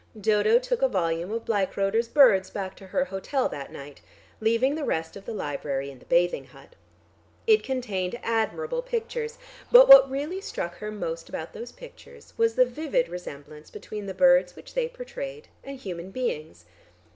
Dodo took a volume of Bleichroder's "Birds" back to her hotel that night, leaving the rest of the library in the bathing hut. It contained admirable pictures, but what really struck her most about those pictures was the vivid resemblance between the birds which they portrayed and human beings.